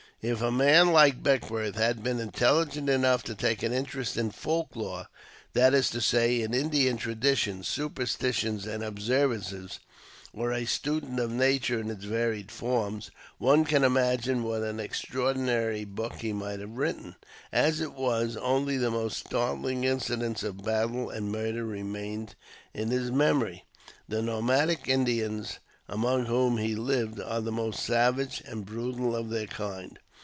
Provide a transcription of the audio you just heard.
If a man like Beckwourth had been intelligent enough to take an interest in folk lore — that is to say, in Indian traditions, superstitions, and observances — or a student of nature in its varied forms, one can imagine what an ex traordinary book he might have written. As it was, only the most startling incidents of battle and murder remained in his memory. The nomadic Indians among whom he lived are the most savage and brutal of their kind.